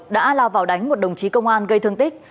đã lao vào đánh một đồng chí công an gây thương tích